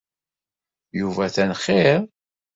Yuba atan xir.